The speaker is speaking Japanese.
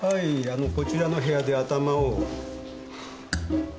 あのこちらの部屋で頭を。